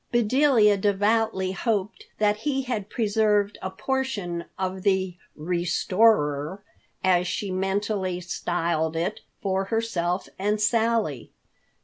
Bedelia devoutly hoped that he had preserved a portion of the "restorer," as she mentally styled it, for herself and Sally.